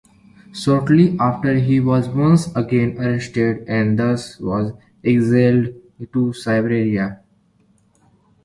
Shortly after he was once again arrested and thus was exiled to Siberia.